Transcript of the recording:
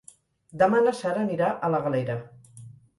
Demà na Sara anirà a la Galera.